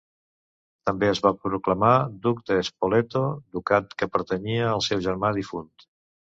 També es va proclamar duc de Spoleto, ducat que pertanyia al seu germà difunt.